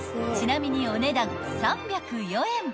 ［ちなみにお値段３０４円］